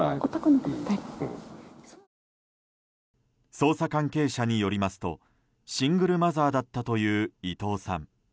捜査関係者によりますとシングルマザーだったという伊藤さん。